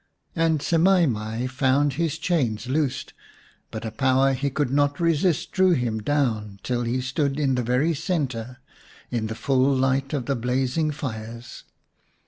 And Semai mai found his chains loosed, but a power he could not resist drew him down till he stood in the very centre, in the full light of the blazing fires.